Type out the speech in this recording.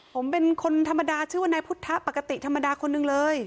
ผมเป็นคนธรรมดาชื่อว่านายพุทธปกติธรรมดาคนหนึ่งเลย